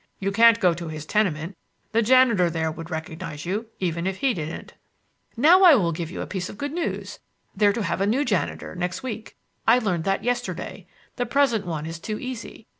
You can't go to his tenement; the janitor there would recognise you even if he didn't." "Now I will give you a piece of good news. They're to have a new janitor next week. I learned that yesterday. The present one is too easy.